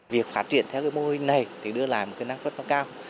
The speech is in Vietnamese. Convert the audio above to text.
việc phát triển theo cái mô hình này thì đưa lại một cái năng suất nó cao